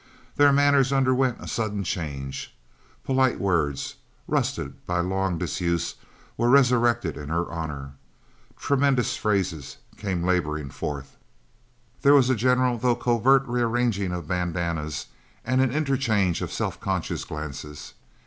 Their manners underwent a sudden change. Polite words, rusted by long disuse, were resurrected in her honour. Tremendous phrases came labouring forth. There was a general though covert rearranging of bandanas, and an interchange of self conscious glances.